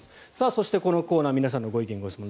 そして、このコーナー皆さんのご意見・ご質問